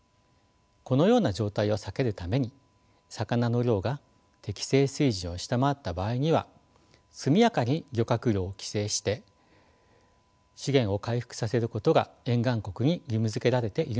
このような状態を避けるために魚の量が適正水準を下回った場合には速やかに漁獲量を規制して資源を回復させることが沿岸国に義務づけられているのです。